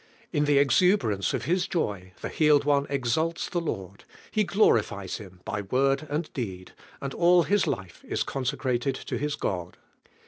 In I lie exuberance of liis joy Ike healed one exalts the Lord, he glorifies Him by word and deed, and all his life is consecrated to his God.